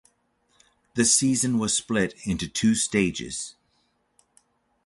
The season was split into two stages.